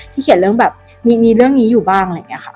ที่เขียนเรื่องแบบมีเรื่องนี้อยู่บ้างแบบนี้ค่ะ